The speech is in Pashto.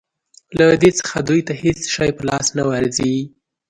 له دې څخه دوی ته هېڅ شی په لاس نه ورځي.